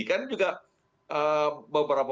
kan juga beberapa